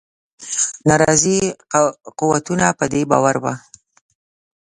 ناراضي قوتونه په دې باور وه.